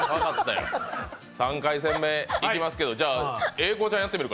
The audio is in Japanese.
３回戦目いきますけれども、英孝ちゃんやってみるか。